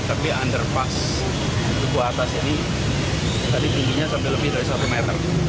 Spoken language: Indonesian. tapi underpass duku atas ini tadi tingginya sampai lebih dari satu meter